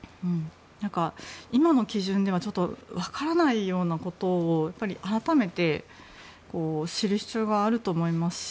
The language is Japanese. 今の基準ではちょっと分からないようなことを改めて知る必要があると思いますし。